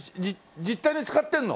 実体で使ってんの？